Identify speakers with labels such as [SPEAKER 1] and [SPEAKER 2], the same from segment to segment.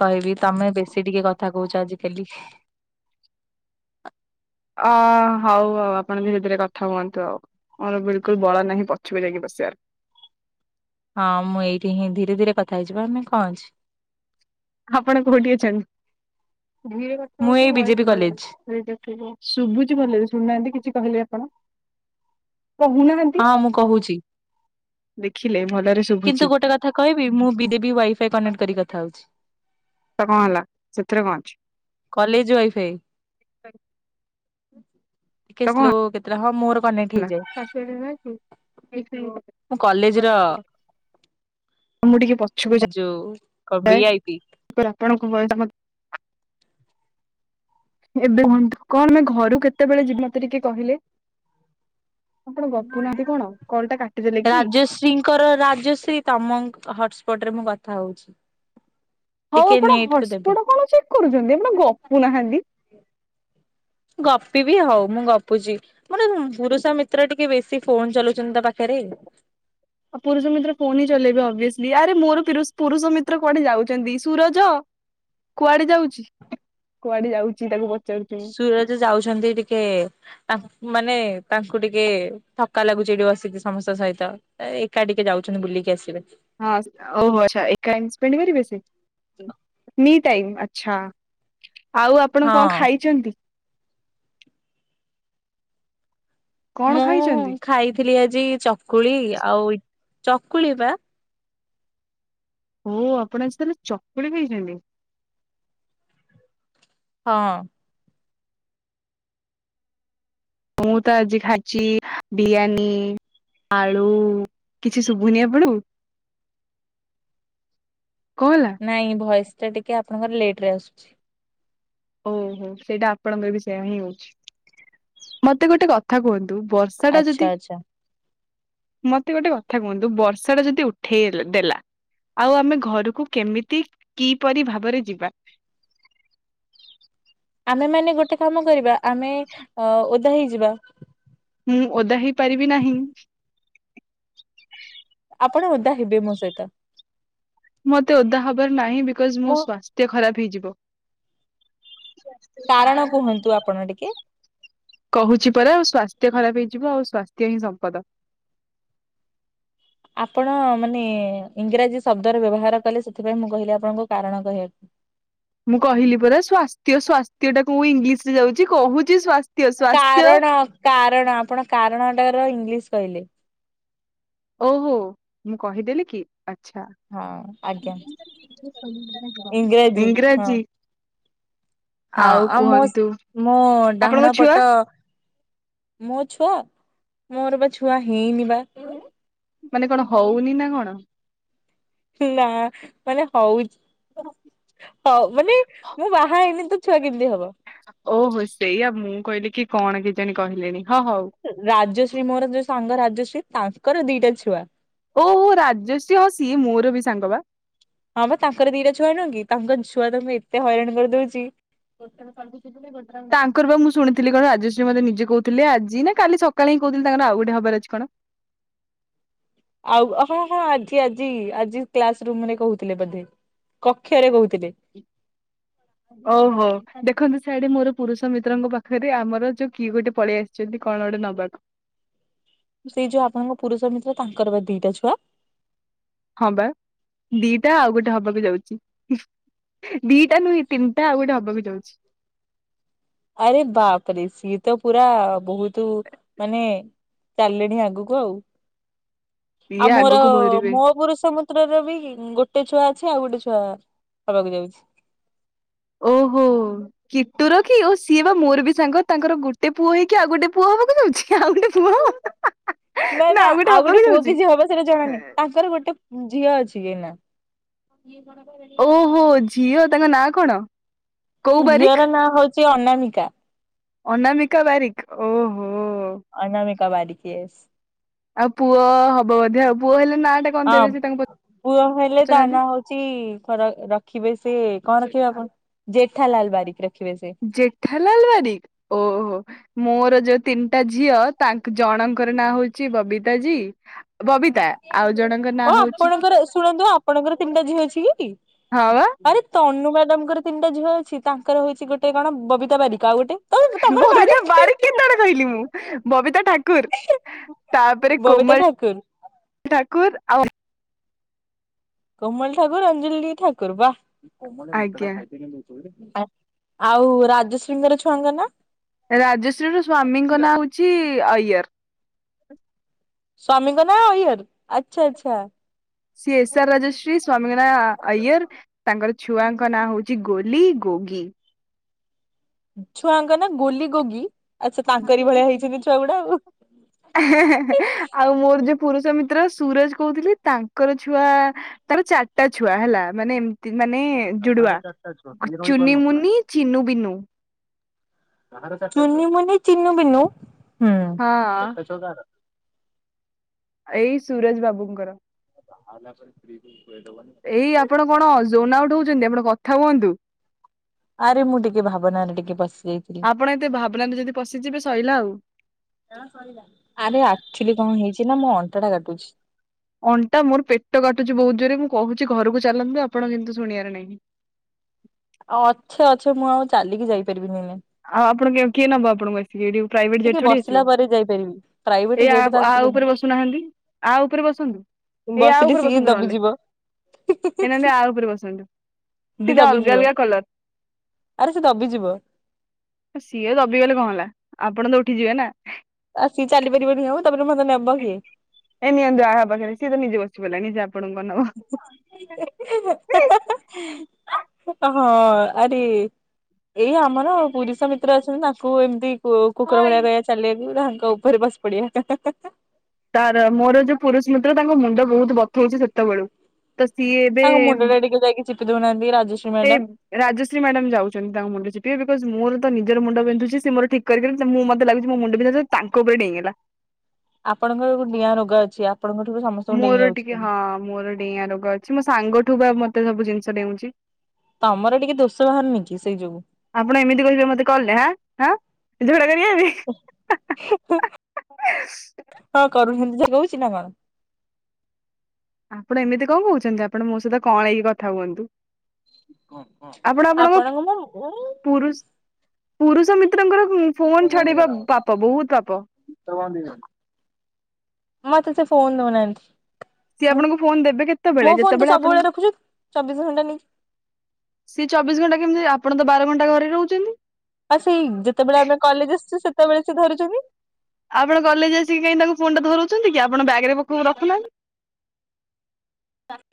[SPEAKER 1] କହିବି, ତମେ ବେଶୀ ଟିକେ କଥା କହୁଛ, ଆଜିକାଲି ।
[SPEAKER 2] ଅ ହଉ, ହଉ ଆପଣ ଧୀରେ, ଧୀରେ କଥା ହୁଅନ୍ତୁ, ଆଉ ମୋର ବିଲକୁଲ ବଳ ନାହି, ପଛକୁ ଯାଇକି ବସ ସୋର [inaudible]
[SPEAKER 1] ହଁ, ମୁଁ ଏଇଠି ହିଁ ଧୀରେ, ଧୀରେ କଥା ହେଇଯିବ, ଆମେ କଣ ଅଛି ।
[SPEAKER 2] ଆପଣ, କୋଉଠି ଅଛନ୍ତି? ଧୀରେ କଥା
[SPEAKER 1] ମୁଁ ଏଇ ବିଜେପି
[SPEAKER 2] ହଉଛି,
[SPEAKER 1] କଲେଜ
[SPEAKER 2] ଶୁଭୁଛି, ଭଲ ଲାଗେ ଶୁଣୁନାହାନ୍ତି, କିଛି କହିଲେ ଆପଣ । କହୁନାହାନ୍ତି,
[SPEAKER 1] ହଁ ମୁଁ କହୁଛି
[SPEAKER 2] ଦେଖିଲେ, ଭଲ
[SPEAKER 1] କିନ୍ତୁ ଗୋଟେ କଥା କହିବି, ମୁଁ ବି ଦେବୀ ୱାଇଫାଇ କନେକ୍ଟ କରି କଥା ହଉଛି ।
[SPEAKER 2] ତ କଣ ହେଲା, ସେଥିରେ କଣ ଅଛି
[SPEAKER 1] କଲେଜ
[SPEAKER 2] ।
[SPEAKER 1] ଆ [inaudible] ଟିକେ ସ୍ଲୋ, କେତେ ହଁ ମୋର କନେକ୍ଟ
[SPEAKER 2] ହେଲା
[SPEAKER 1] ହେଇଯାଏ
[SPEAKER 2] କାଶ ନା ଖ
[SPEAKER 1] ମୁଁ କଲେଜ ର
[SPEAKER 2] [inaudible] ମୁଁ, ଟିକେ ପଛକୁ ଯା
[SPEAKER 1] କ ବି ଆଇ ପି
[SPEAKER 2] କଣ କ [inaudible] ଏବେ କୁହନ୍ତୁ, କଣ ଆ ଘରୁ କେତେବେଳେ ଯିବେ ମତେ ଟିକେ କହିଲେ । କାଟିଦେଲେ କି?
[SPEAKER 1] ରାଜଶ୍ରୀଙ୍କର, ରାଜଶ୍ରୀ ତମ ହଟସ୍ପଟ ରେ ମୁଁ, କଥା ଥାଉଛି ।
[SPEAKER 2] ହଉ, ଆପଣ ହଟସ୍ପଟ କଣ ଚେକ୍ କରୁଛନ୍ତି, ଆପଣ ଗପୁ ନାହାନ୍ତି ।
[SPEAKER 1] ଗପିବି ହଉ, ମୁଁ ଗପୁଛି, ମୋର ପୁରୁଷ ମିତ୍ର ଟିକେ ବେଶୀ ଫୋନ ଚଲଉଛନ୍ତି, ତ ପାଖରେ ।
[SPEAKER 2] ଆଉ ପୁରୁଷ ମିତ୍ର ଫୋନ ହିଁ ଚଲେଇବେ, ଅବିଅସଲି ଆରେ ମୋର ପୁରୁଷ ମିତ୍ର କୁଆଡେ ଯାଉଛନ୍ତି, ସୁରଜ କୁଆଡେ ଯାଉଛି, କୁଆଡେ ଯାଉଛି, ତାକୁ ପଚାରୁଛି ମୁଁ।
[SPEAKER 1] ସୁରଜ ଯାଉଛନ୍ତି, ଟିକେ ତା ମାନେ ତାଙ୍କୁ ଟିକେ ଥକା ଲାଗୁଛି, ଏଠି ବସିକି, ସମସ୍ତଙ୍କ ସହିତ, ଏକା ଟିକେ ଯାଉଛନ୍ତି, ବୁଲିକି ଆସିବେ ।
[SPEAKER 2] ହଁ, ଓହୋ ଆଛା ଏକା ଇସ୍ପେଣ୍ଡ କରିବେସେ ନି ଟାଇମ ଆଛା । ଆଉ, ଆପଣ କଣ
[SPEAKER 1] ହଁ
[SPEAKER 2] ଖାଇଛନ୍ତି? କଣ
[SPEAKER 1] ମୁଁ
[SPEAKER 2] ଖାଇଛନ୍ତି?
[SPEAKER 1] ଖାଇଥିଲି, ଆଜି ଚକୁଳି ଆଉ ଚକୁଳି, ବା ।
[SPEAKER 2] ହୋ ଆପଣ ଆଜି ତାହଲେ ଚକୁଳି ଖାଇଛନ୍ତି।
[SPEAKER 1] ହଁ,
[SPEAKER 2] ମୁଁ ତ ଆଜି ଖାଇଛି ବିରିୟାନୀ ଆଳୁ । କିଛି ଶୁଭୁନି ଆପଣୁଙ୍କୁ?
[SPEAKER 1] ନାଇଁ ଭଏସ ଟା ଟିକେ ଆପଣଙ୍କର ଲେଟ ରେ ଆସୁଛି ।
[SPEAKER 2] ଓହୋ ସେଇଟା ଆପଣଙ୍କର ବି ସେୟା ହିଁ ହଉଛି । ମତେ ଗୋଟେ କଥା କୁହନ୍ତୁ? ବର୍ଷା ଟା
[SPEAKER 1] ଆଚ୍ଛା
[SPEAKER 2] ଯଦି
[SPEAKER 1] ଆଚ୍ଛା
[SPEAKER 2] ମତେ ଗୋଟେ କଥା କୁହନ୍ତୁ ବର୍ଷା ଟା ଯଦି ଉଠେଇଲ୍-ଦେଲା ଆଉ ଆମେ ଘରକୁ କେମିତି କିପରି ଭାବରେ ଯିବା?
[SPEAKER 1] ଆମେମାନେ ଗୋଟେ କାମ କରିବା ଆମେ ଅ-ଓଦା ହେଇଯିବା।
[SPEAKER 2] ହୁଁ ଓଦା ହେଇ ପାରିବି ନାହିଁ।
[SPEAKER 1] ଆପଣ ଓଦା ହେବେ ମୋ ସହିତ।
[SPEAKER 2] ମତେ ଓଦା ହବାର ନାହିଁ। ବିକଜ ମୋ
[SPEAKER 1] ମୁଁ
[SPEAKER 2] ସ୍ୱାସ୍ଥ୍ୟ ଖରାପ ହେଇଯିବ।
[SPEAKER 1] କାରଣ କୁହନ୍ତୁ ଆପଣ ଟିକେ
[SPEAKER 2] କହୁଛି ପରା ମୋ ସ୍ୱା ସ୍ୱାସ୍ଥ୍ୟ ଖରାପ ହେଇଯିବ। ଆଉ ସ୍ୱାସ୍ଥ୍ୟ ହିଁ ସମ୍ପଦ।
[SPEAKER 1] ଆପଣ ମାନେ ଇଂରାଜୀ ଶବ୍ଦର ବ୍ୟବହାର କଲେ ସେଥିପାଇଁ ମୁଁ କହିଲି ଆପଣଙ୍କୁ କାରଣ କହିବାକୁ।
[SPEAKER 2] ମୁଁ କହିଲି ପରା ସ୍ଵାସ୍ଥ୍ୟ ସ୍ଵାସ୍ ସ୍ଥ୍ୟ ଟାକୁ ମୁଁ ଇଂଲିଶରେ ଯାଉଛି କହୁଛି ସ୍ଵାସ୍
[SPEAKER 1] କାରଣ କାରଣ। ଆପଣ କାରଣଟାର ଇଂଲିଶ କହିଲେ।
[SPEAKER 2] ଓହୋ ମୁଁ କହିଦେଲି କି? ଆଚ୍ଛା
[SPEAKER 1] ହଁ ଆଜ୍ଞା।
[SPEAKER 2] ଇଂରାଜୀ।
[SPEAKER 1] ହଁ ଆଉ ମୋସ୍-ମୋ
[SPEAKER 2] ଆପଣଙ୍କ
[SPEAKER 1] ଡାହାଣ
[SPEAKER 2] ଛୁଆ
[SPEAKER 1] ପଟ ମୋ ଛୁଆ? ମୋର ବା ଛୁଆ ହେଇନି ବା।
[SPEAKER 2] ମାନେ କଣ ହଉନି ନା କଣ?
[SPEAKER 1] ନା ମାନେ ହଉ ହଉ ମାନେ ମୁଁ ବାହା ହେଇନି ତ ଛୁଆ କେମିତି ହବ?
[SPEAKER 2] ଓହୋ ସେଇଆ। ମୁଁ କହିଲି କି କଣ କେଜାଣି କହିଲେଣି। ହଁ ହଉ
[SPEAKER 1] ରାଜଶ୍ରୀ ମୋର ଯୋଉ ସାଙ୍ଗ ରାଜ ଶ୍ରୀ ତାଙ୍କର ଦିଟା ଛୁଆ।
[SPEAKER 2] ଓହୋ ରାଜଶ୍ରୀ। ହଁ ସିଏ ମୋର ବି ସାଙ୍ଗ ବା।
[SPEAKER 1] ହଁ ବା ତାଙ୍କର ଦିଟା ଛୁଆ ନୁହଁ କି? ତାଙ୍କ ଛୁଆ ତାଙ୍କୁ ଏତେ ହଇରାଣ କରିଦଉଚି
[SPEAKER 2] ତାଙ୍କର ବା ମୁଁ ଶୁଣି ଥିଲି କଣ ରାଜଶ୍ରୀ ମୋତେ ନିଜେ କହୁଥିଲେ ଆଜି ନା କାଲି ସକାଳେ ହିଁ କହୁଥିଲେ ତାଙ୍କର ଆଉ ଗୋଟେ ହବାର ଅଛି କଣ?
[SPEAKER 1] ଆଉ ହଁ ହଁ ଆଜି ଆଜି ଆଜି କ୍ଲାସ ରୁମରେ କହୁଥିଲେ ବୋଧେ। କକ୍ଷରେ କହୁଥିଲେ।
[SPEAKER 2] ଓହୋ ଦେଖନ୍ତୁ ସ ସିଆଡେ ମୋର ପୁରୁଷ ମିତ୍ରଙ୍କ ପାଖରେ ଆମର ଯୋଉ କିଏ ଗୋଟେ ପଳେଇ ଆସିଛନ୍ତି କଣ ଗୋଟେ ନବାକୁ।
[SPEAKER 1] ସେଇ ଯୋଉ ଆପଣଙ୍କ ପୁରୁଷ ମିତ୍ର ତାଙ୍କର ବା ଦିଟା ଛୁଆ।
[SPEAKER 2] ହଁ ବା ଦିଟା ଆଉ ଗୋଟେ ହବାକୁ ଯାଉଛି। ଦିଟା ନୁହେଁ ତିନିଟା ଆଉ ଗୋଟେ ହବାକୁ ଯାଉଛି।
[SPEAKER 1] ଆରେ ବାପରେ, ସିଏ ତ ପୁରା ବହୁତୁ ମାନେ ଚାଲିଲେଣି ଆଗକୁ ଆଉ।
[SPEAKER 2] ସିଏ
[SPEAKER 1] ଆଉ ମୋର
[SPEAKER 2] ଆଗକୁ ବଢିବେ
[SPEAKER 1] ମୋ ପୁରୁଷ ମତେ ମତ୍ରରେ ବି ଗୋଟେ ଛୁଆ ଅଛି ଆଉ ଗୋଟେ ଛୁଆ ହେବାକୁ ଯାଉଛି।
[SPEAKER 2] ଓହୋ କିଟୁର କି ଓ ସିଏ ବା ମୋର ବି ସାଙ୍ଗ ତାଙ୍କର ଗୋଟେ ପୁଅ ହେଇକି ଆଉ ଗୋଟେ ପୁଅ ହବାକୁ ଯାଉଛି ଆଉ ଗୋଟେ ପୁଅ ହବ।
[SPEAKER 1] ନା ନା ଆଉ ଗୋଟେ ପୁଅ କି ଝିଅ ହବ ସେଇଟା ଜଣାନାହିଁ। ତାଙ୍କର ଗୋଟେ ଉଁ ଝିଅ ଅଛି କି ନା? ଇଏ କଣ କହିଲେ ହୋ।
[SPEAKER 2] ଓହୋ ଝିଅ ତାଙ୍କ ନାଁ କଣ? କୋଉ
[SPEAKER 1] ଝିଅର
[SPEAKER 2] ବାରିକ
[SPEAKER 1] ନାଁ ହଉଚ୍ ଚି ଅନାମିକା।
[SPEAKER 2] ଅନାମିକା ବାରିକ୍ ଓହୋ।
[SPEAKER 1] ଅନାମିକା ବାରିକ୍ ଇଏସ୍।
[SPEAKER 2] ଆଉ ପୁଅ-ଅ ହବ ବୋଧେ ଆଉ। ପୁଅ ହେଲେ- ନାଁ ଟା କଣ
[SPEAKER 1] ହଁ
[SPEAKER 2] ଦେବେ ସେ ତାଙ୍କୁ
[SPEAKER 1] ପୁଅ ହେଲେ ତା ନାଁ
[SPEAKER 2] ପଚାରୁନାହାନ୍ତି
[SPEAKER 1] ହଉଛି ଖରା ରଖିବେ ସେ କଣ ରଖିବେ ଆପଣ? ଜେଠାଲାଲ ବାରିକ ରଖିବେ ସେ।
[SPEAKER 2] ଜେଠାଲାଲ୍ ବାରିକ, ଓହୋ। ମୋର ଯୋଉ ତିନିଟା ଝିଅ ତାଙ୍କ ଜଣଙ୍କର ନାଁ ହଉଛି ବବିତା ଜୀ। ବବିତା ଆଉ ଜଣଙ୍କ ନାଁ
[SPEAKER 1] ଓ
[SPEAKER 2] ହଉଛି
[SPEAKER 1] ଆପଣଙ୍କର ଶୁଣନ୍ତୁ ଆପଣଙ୍କର ତିନିଟା ଝିଅ ଅଛି କି?
[SPEAKER 2] ହଁ ବା
[SPEAKER 1] ଆରେ ତନୁ ମ୍ୟାଡାମ ର ତିନିଟା ଝିଅ ଅଛି ତାଙ୍କର ହଉଛି ଗୋଟେ କଣ ବବିତା ବାରିକ ଆଉ ଗୋଟେ ତମ ତମର ବାରିକ
[SPEAKER 2] ବବିତା ବାରିକ୍
[SPEAKER 1] କେମିତି ହବ?
[SPEAKER 2] କେତେବେଳେ କହିଲି ମୁଁ? ବବିତା ଠା ଠାକୁର୍ ତାପରେ
[SPEAKER 1] ବବିତା
[SPEAKER 2] କୋମଲ୍
[SPEAKER 1] ଠାକୁର,
[SPEAKER 2] ଠାକୁର୍ ଆଉ
[SPEAKER 1] କୋମଲ ଠାକୁର ଅଞ୍ଜଲି ଠାକୁର ବା।
[SPEAKER 2] ଆଜ୍ଞା
[SPEAKER 1] [unintelligible] ଆ ଆଉ ରାଜଶ୍ରୀଙ୍କର ଛୁଆଙ୍କ ନାଁ?
[SPEAKER 2] ରାଜଶ୍ରୀର ସ୍ଵାମୀଙ୍କ ନାଁ ହଉଛି ଅୟର୍। [unintelligible]
[SPEAKER 1] ସ୍ଵାମୀଙ୍କ ନାଁ ଅୟର୍ ଆଚ୍ଛା ଆଚ୍ଛା।
[SPEAKER 2] ସିଏ ଏସ୍ ଆର୍ ରାଜଶ୍ରୀ, ସ୍ଵାମୀଙ୍କ ନାଁ ଅୟର୍ ତାଙ୍କର ଛୁଆ ଙ୍କ ନାଁ ହଉଛି ଗୋଲି, ଗୋଗି।
[SPEAKER 1] ଛୁଆଙ୍ଗ ନା ଗୋୋଲି, ଗୋଗି। ଆଚ୍ଛା ତାଙ୍କରି ଭଳିଆ ହେଇଛନ୍ତି ଛୁଆ ଗୁଡା ଆଉ।
[SPEAKER 2] ହେଁ ହେଁ ଆଉ ମୋର ଯେ ପୁରୁଷ ମିତ୍ର ସୁରଜ କହୁଥିଲି ତାଙ୍କର ଛୁଆ ତାର ଚାରିଟା ଛୁଆ ହେଲା ମାନେ ଏମିତି ମାନେ ଯୁଡୁଆ ଚୁନି, ମୁୁନି, ଚିନୁ, ବିିନୁ।
[SPEAKER 1] କାହାର ଚାରିଟା ଛୁଆ? ଚୁନି, ମୁନି, ଚିିନୁ, ବିନୁ। ହୁଁ।
[SPEAKER 2] ହଁ
[SPEAKER 1] ଚାରିଟା ଛୁଆ କାହାର?
[SPEAKER 2] ଏଇ ସୁରଜ ବାବୁଙ୍କର।
[SPEAKER 1] ବାହା ହେଲା ପରେ ସ୍ତ୍ରୀ କି
[SPEAKER 2] ଏଇ ଆପଣ କଣ ଯୋନା ଆଉଟ ହଉଛନ୍ତି। ଆପଣ କଥା ହୁଅନ୍ତୁ
[SPEAKER 1] ଆରେ ମୁଁ ଟିକେ ଭାବନାରେ ଟିକେ ପଶି ଯାଇଥିଲି।
[SPEAKER 2] ଆପଣ ଏତେ ଭାବନାରେ ଯଦି ପଶିଯିବେ ଶଇଲା ଆଉ।
[SPEAKER 1] ଆରେ ଆକ୍ଚୁଲି କଣ ହେଇଛି ନା ମୋ ଅଣ୍ଟାଟା କାଟୁଛି।
[SPEAKER 2] ଅଣ୍ଟା ମୋର ପେଟ କାଟୁଛି ବହୁତ ଜୋରେ ମୁଁ କହୁଛି ଘରକୁ ଚାଲନ୍ତୁ ଆପଣ କିନ୍ତୁ ଶୁଣିବାର ନାହିଁ
[SPEAKER 1] ଅଛେ ଅଛେ ମୁଁ ଆଉ ଚାଲିକି ଯାଇପାରିବିନି ଏଇନେ।
[SPEAKER 2] ଆଉ ଆପଣଙ୍କୁ କିଏ ନବ ଆପଣଙ୍କୁ ଆସିକି? ଏଇଠି ପ୍ରାଇଭେଟ ଜେଟ
[SPEAKER 1] ଟିକେ
[SPEAKER 2] ଥୋଡି ଆସିବ
[SPEAKER 1] ବସିଲା ପରେ ଯାଇପାରିବି। ପ୍ରାଇଭେଟ
[SPEAKER 2] ଏଇ
[SPEAKER 1] ଜେଟ ତ
[SPEAKER 2] ଆ
[SPEAKER 1] ଆସିବନି
[SPEAKER 2] ଉପରେ ବସୁନାହାନ୍ତି ଆ ଉପରେ ବସନ୍ତୁ ହେଇ ଆ
[SPEAKER 1] ବସିଲେ
[SPEAKER 2] ଉପରେ
[SPEAKER 1] ସିଏ
[SPEAKER 2] ବସନ୍ତୁ ନହେଲେ
[SPEAKER 1] ଦବିଯିବ।
[SPEAKER 2] ହେ ନହେଲେ ଆ
[SPEAKER 1] ସିଏ
[SPEAKER 2] ଉପରେ ବସନ୍ତୁ ଦିଟା ଅଲଗା
[SPEAKER 1] ଦବିଯିବ
[SPEAKER 2] ଅଲଗା କଲର।
[SPEAKER 1] ଆରେ ସେ ଦବିଯିବ
[SPEAKER 2] ସିଏ ଦବିଗଲେ କଣ ହେଲା ଆ ଆପଣ ତ ଉଠିଯିବେ ନା।
[SPEAKER 1] ଆସିକି ଚାଲିପାରିବନି ଆଁ ତାପରେ ମତେ ନେବ କିଏ?
[SPEAKER 2] [unintelligible] ଆପଣଙ୍କ ନବ
[SPEAKER 1] ହଁ ଆରେ ଏଇ ଆମର ପୁରୁଷ ମିତ୍ର ଅଛନ୍ତି ତାଙ୍କୁ ଏମିତି କୁକୁର ଭଳିଆ କହିଆ ଚାଲିବାକୁ ନା। ଉପରେ ବସି ପଡିଆ ହା ହା ହା।
[SPEAKER 2] ତାର ମୋର ଯୋଉ ପୁରୁଷ ମିତ୍ର ତାଙ୍କ ମୁଣ୍ଡ ବହୁତ ବଥଉଚି ସେତେବେଳୁ। ତ ସିଏ ଏବେ
[SPEAKER 1] ମୁଣ୍ଡ ଟା ଟିକେ ଯାଇକି ଚିପି ଦଉନାହାନ୍ତି ରାଜଶ୍ରୀ
[SPEAKER 2] ସେ
[SPEAKER 1] ମ୍ୟାଡାମ
[SPEAKER 2] ରାଜଶ୍ରୀ ମ୍ୟାଡାମ ଯାଉଛନ୍ତି ତାଙ୍କ ମୁଣ୍ଡ ଚିପି ବାକୁ ଏବେ ମୋର ତ ନିଜର ମୁଣ୍ଡ ବିିନ୍ଧୁଛି ସେ ମୋର ଠିକ କରି ପାରୁନି ମୁଁ ମତେ ଲାଗୁଛି ମୋ ମୁଣ୍ଡ ବିନ୍ଧା ତାଙ୍କ ଉପରେ ଡେଇଁଗଲା।
[SPEAKER 1] ଆପଣଙ୍କର ଡିଆଁ ରୋଗ ଅଛି। ଆପଣଙ୍କଠୁ ସମସ୍ତଙ୍କୁ ଡେଇଁ
[SPEAKER 2] ମୋର
[SPEAKER 1] ଯାଉଛି
[SPEAKER 2] ଟିକେ
[SPEAKER 1] ସବୁ
[SPEAKER 2] ହଁ ମୋର ଡିଆଁ ରୋଗ ଅଛି ମୋ ସାଙ୍ଗ ଠୁ ବା ମତେ ସବୁ ଜିନିଷ ଡେଉଛି।
[SPEAKER 1] ତମର ଟିକେ ଦୋଷ ବାହାରୁନି କି ସେଇ ଯୋଗୁ।
[SPEAKER 2] ଆପଣ ଏମିତି କହିବେ ମତେ କଲରେ ଆଁ ଆଁ ଏଇ ଝଗଡା କରିବା ପାଇଁ ।
[SPEAKER 1] ହଁ କରୁଛନ୍ତି ଯେ କହୁଛି ନା କଣ?
[SPEAKER 2] ଆପଣ ଏମିତି କଣ କହୁଛନ୍ତି ଆପଣ ମୋ ସହିତ କଂଳେଇକି କଥା ହୁଅନ୍ତୁ। ଆପଣ ଆପଣଙ୍କ ପୁଷ ପୁରୁଷ ମିତ୍ରଙ୍କର ଫୋନ ଛଡେଇବା ପାପ ବହୁତ ପାପ।
[SPEAKER 1] ମତେ ସେ ଫୋନ ଦେଉନାନ୍ତି।
[SPEAKER 2] ସିଏ ଆପଣଙ୍କୁ ଫୋନ ଦେବେ କେତେବେଳେ
[SPEAKER 1] ତ
[SPEAKER 2] ଯେତେବେଳେ ଆପଣ
[SPEAKER 1] ସବୁବେଳେ ରଖୁଛୁ ଚବିଶ ଘଣ୍ଟା ନେଇକି
[SPEAKER 2] ସିଏ ଚବିଶ ଘଣ୍ଟା କେମତି ଆପଣ ତ ବାର ଘଣ୍ଟା ଘରେ ରହୁଛନ୍ତି?
[SPEAKER 1] ଆଉ ସେଇ ଯେତେବେଳେ ଆମେ କଲେଜ ଆସୁଛୁ ସେତେବେଳେ ସିଏ ଧରୁଛନ୍ତି?
[SPEAKER 2] ଆପଣ କଲେଜ ଆସିକି କାଇଁ ତାଙ୍କୁୁ ଫୋନ୍ ଟା ଧରଉ ଛନ୍ତି କି ଆପଣ ବ୍ୟାଗ୍ ରେ ପକ ରଖୁନାହାନ୍ତି?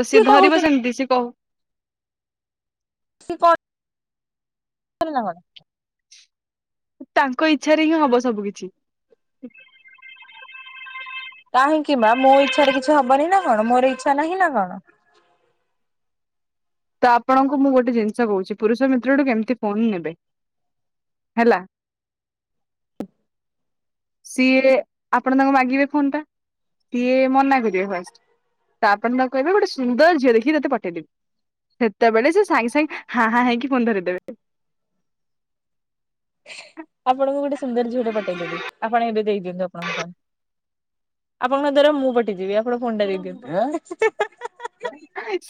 [SPEAKER 2] ତ ସେ
[SPEAKER 1] କିଏ
[SPEAKER 2] ଧରିବ
[SPEAKER 1] କହୁଛନ୍ତି
[SPEAKER 2] ସେମିତି ସେ କହୁ
[SPEAKER 1] ସେ କ [unintelligible]
[SPEAKER 2] ତାଙ୍କ ଇଚ୍ଛାରେ ହିଁ ହବ ସବୁ କିିଛି। ଖାଲି
[SPEAKER 1] କାହିଁକି ମ ମୋ ଇଚ୍ଛାରେ କିଛି ହବନି ନା କଣ ମୋର ଇଚ୍ଛା ନାହିଁ ନା କଣ?
[SPEAKER 2] ତ ଆପଣଙ୍କୁ ମୁଁ ଗୋଟେ ଜିନିଷ କହୁଛି ପୁରୁଷ ମିତ୍ରଠୁ କେମିତି ଫୋନ ନେବେ? ହେଲା ସିଏ ଆପଣ ତାଙ୍କୁ ମାଗିବେ ଫୋନ୍ ଟା ସିଏ ମନା କରିବେ ଫାଷ୍ଟ ଆପଣ ତାଙ୍କୁ କହିବେ ଗୋଟେ ସୁନ୍ଦର ଝିଅ ଦେଖିକି ତତେ ପଟେଇଦେବି ସେତେବେଳେ ସିଏ ସାଙ୍ଗେ ସାଙ୍ଗେ ହାଁ ହାଁ ହେଇକି ଫୋନ୍ ଦେଇଦେବେ।
[SPEAKER 1] ଆପଣଙ୍କୁ ଗୋଟେ ସୁନ୍ଦର ଝିଅଟେ ପଟେଇଦେବି। ଆପଣ ଏବେ ଦେଇଦିଅନ୍ତୁ ଆପଣଙ୍କ ଫୋନ୍ ଆପଣଙ୍କ ଦ୍ୱାରା ମୁଁ ପଟିଯିବି ଆ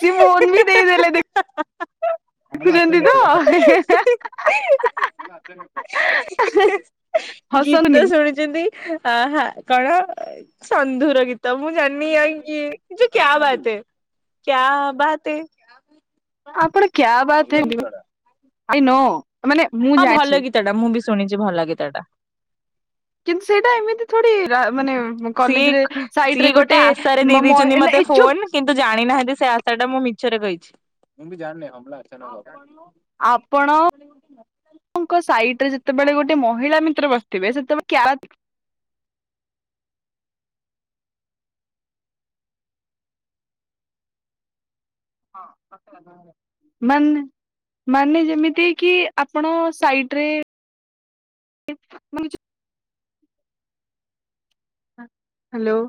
[SPEAKER 2] ସେ ଫୋନ୍ ବି ଦେଇଦେଲେ ଦେଖୁଛନ୍ତି ତ?
[SPEAKER 1] ଗୀତ
[SPEAKER 2] ହସନ୍ତୁନି
[SPEAKER 1] ଶୁଣିଛି ଆ ହାଁ କଣ? ସନ୍ଧୁର ଗୀତ ମୁଁ ଜାଣିନି ଆ ଏ କି ଯୋଉ କ୍ୟା ବାତ ହେ କ୍ୟା ବାତ୍ ହେ।
[SPEAKER 2] ଆପଣ କ୍ୟା ବାତ୍ ହେ ଆଇ ନୋ। ମାନେ ମୁଁ
[SPEAKER 1] ହଁ
[SPEAKER 2] ଜାଣିଛି
[SPEAKER 1] ଭଲ ଗୀତ ଟା ମୁଁ ବି ଶୁଣିଛି ଭଲ ଗୀତା ଟା।
[SPEAKER 2] କିନ୍ତୁ ସେଇଟା ଏମିତି ଥୋଡି ରା ମାନେ
[SPEAKER 1] ସିଏ
[SPEAKER 2] କଲେଜରେ ସାଇଡରେ
[SPEAKER 1] ସିଏ ଗୋଟେ ଆଶାରେ ଦେଇ
[SPEAKER 2] ମ ମ
[SPEAKER 1] ଦେଇଛନ୍ତି ମତେ
[SPEAKER 2] ଏ ଚୁପ୍
[SPEAKER 1] ଫୋନ କିନ୍ତୁ ଜାଣିନାହାନ୍ତି ସେ ଆଶାଟା ମୁଁ ମି ଛରେ କହିଛି।
[SPEAKER 2] ଆପଣଙ୍କ ସାଇଟରେ ଯେତେବେଳେ ଗୋଟେ ମହିଳା ମିତ୍ର ବସିଥିବେ ସେତବେଳେ କ୍ୟା ମାନେ ମାନେ ଯେମିତି କି ଆପଣ ସାଇଟରେ ମାନେ ହ୍ୟାଲୋ।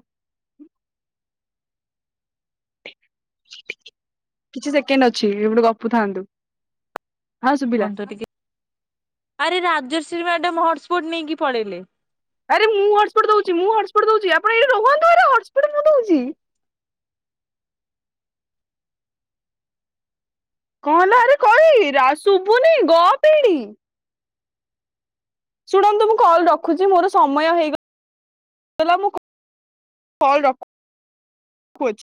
[SPEAKER 2] କିଛି ସେକେଣ୍ଡ ଅଛି ଏ ଗୋଟେ ଗପୁଥାନ୍ତୁ। ହଁ ଶୁଭିଲା
[SPEAKER 1] କୁହନ୍ତୁ ଟିକେ ଆରେ ରାଜଶ୍ରୀ ମାଡ଼ାମ୍ ହଟ୍
[SPEAKER 2] ଆରେ ମୁଁ ହଟସ୍ପଟ୍ ଦଉଛି ମୁଁ ହଟସ୍ପଟ୍ ଆପଣ ଏଇ ରୁହନ୍ତୁ ଆରେ ହଟସ୍ପଟ୍ ମୁଁ ଦଉଛି। କଣ ହେଲା କହିରା ଶୁଭୁନି ଗ ପେଡ଼ି ଶୁଣନ୍ତୁ ମୁଁ କଲ୍ ରଖୁଛି ମୋର ସମୟ ହେଇଗଲା ମୁଁ କଲ୍ ରଖୁଛି।